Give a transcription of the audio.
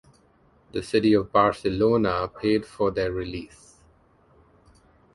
The city of Barcelona paid for their release.